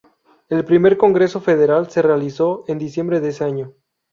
El primer congreso federal se realizó en diciembre de ese año.